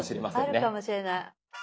あるかもしれない。